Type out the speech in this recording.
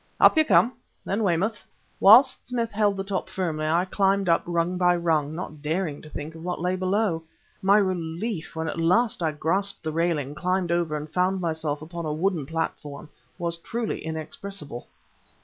"Up you come! then Weymouth!" Whilst Smith held the top firmly, I climbed up rung by rung, not daring to think of what lay below. My relief when at last I grasped the railing, climbed over, and found myself upon a wooden platform, was truly inexpressible.